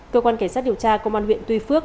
cơ quan cảnh sát điều tra công an huyện tuy phước